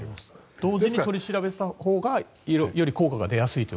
同時に取り調べをしたほうが効果が出やすいと。